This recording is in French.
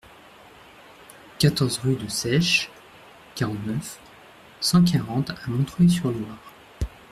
quatorze rue de Seiches, quarante-neuf, cent quarante à Montreuil-sur-Loir